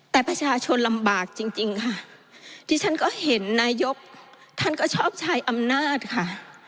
แต่ประชาชนลำบากจริงจริงค่ะที่ฉันก็เห็นนายกท่านก็ชอบใช้อำนาจค่ะ